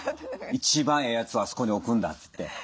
一番ええやつをあそこに置くんだって。